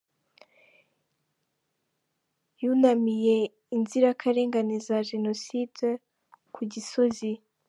Yunamiye inzirakarengane za Jenoside ku Gisozi